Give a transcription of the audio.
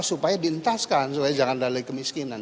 supaya dientaskan supaya jangan ada lagi kemiskinan